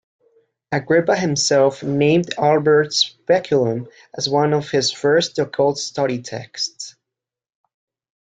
Agrippa himself named Albert's "Speculum" as one of his first occult study texts.